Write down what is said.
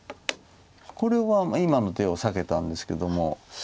これは今の手を避けたんですけども。